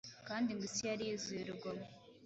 kandi ngo ‘isi yari yuzuye urugomo.’